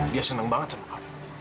dia seneng banget sama mama